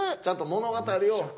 ちゃんと物語を。